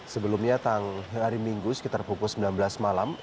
sebelum nyatang hari minggu sekitar pukul sembilan belas malam